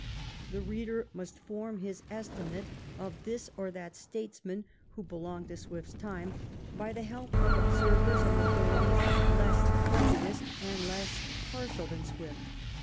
The reader must form his estimate of this or that statesman who belonged to Swift's time by the help of observers and authorities less prejudiced and less partial than Swift.